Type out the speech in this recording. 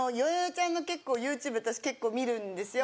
ちゃんの結構ＹｏｕＴｕｂｅ私結構見るんですよ。